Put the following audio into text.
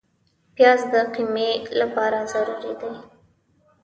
پیاز د قیمې لپاره ضروري دی